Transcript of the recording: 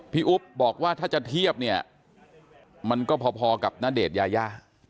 อุ๊บบอกว่าถ้าจะเทียบเนี่ยมันก็พอกับณเดชน์ยายา